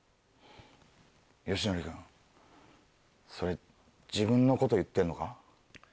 義徳君それ自分のこと言ってんのか？